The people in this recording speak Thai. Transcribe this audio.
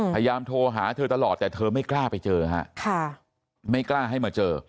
พยายามโทรหาเธอตลอดแต่เธอไม่กล้าไปเจอฮะไม่กล้าให้มาเจอ